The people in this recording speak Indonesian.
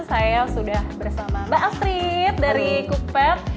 saya sudah bersama mbak astrid dari cookpad